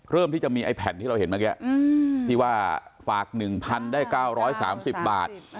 ที่จะมีไอ้แผ่นที่เราเห็นเมื่อกี้ที่ว่าฝาก๑๐๐๐ได้๙๓๐บาท